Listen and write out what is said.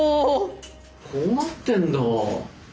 こうなってんだ。